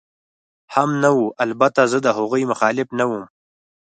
هم نه وه، البته زه د هغوی مخالف نه ووم.